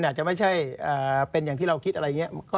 อาจจะไม่ใช่เป็นอย่างที่เราคิดอะไรอย่างนี้